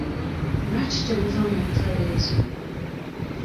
Lwaki temuva mu ntalo ezo?